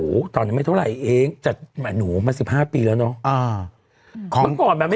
โหตอนนี้ไม่เท่าไหร่เองจัดหนูมาสิบห้าปีแล้วเนาะ